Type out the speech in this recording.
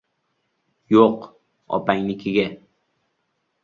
— Yo‘q, opangnikiga.